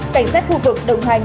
cảnh sát khu vực đồng hành